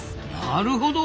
なるほど。